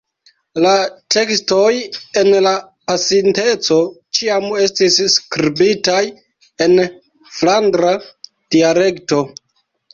La tekstoj en la pasinteco ĉiam estis skribitaj en flandra dialekto.